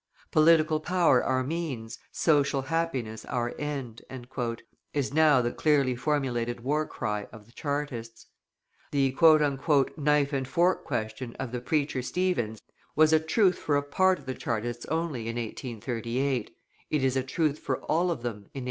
"Political power our means, social happiness our end," is now the clearly formulated war cry of the Chartists. The "knife and fork question" of the preacher Stephens was a truth for a part of the Chartists only, in 1838, it is a truth for all of them in 1845.